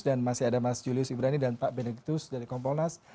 dan masih ada mas julius ibrani dan pak benediktus dari kompolnas